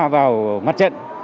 vào mặt trận